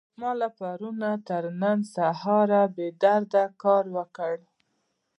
ما له پرون نه تر سهاره بې درده کار وکړ.